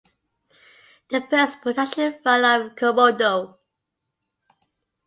The first production run of Komodo.